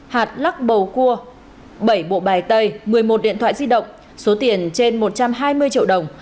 một trăm hai mươi hạt lắc bầu cua bảy bộ bài tây một mươi một điện thoại di động số tiền trên một trăm hai mươi triệu đồng